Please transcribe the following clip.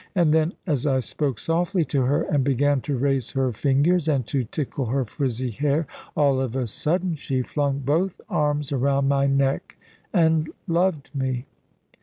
And then as I spoke softly to her and began to raise her fingers, and to tickle her frizzy hair, all of a sudden she flung both arms around my neck, and loved me.